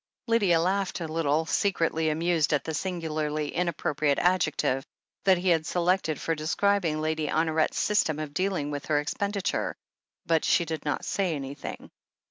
Lydia laughed a little, secretly amused at the singu larly inappropriate adjective that he had selected for describing Lady Honoret's system of dealing with her expenditure, but she did not say anything.